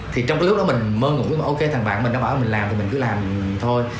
thì trong cái lúc đó mình mơ ngủ ok thằng bạn mình đã bảo mình làm thì mình cứ làm thôi